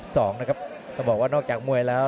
ต้องบอกว่านอกจากมวยแล้ว